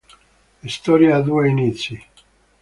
La storia ha due inizi.